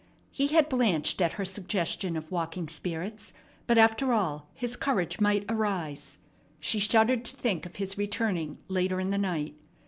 He had blanched at her suggestion of walking spirits; but, after all, his courage might arise. She shuddered to think of his returning later, in the night.